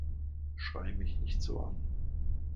Schrei mich nicht so an!